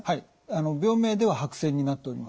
病名では白癬になっております。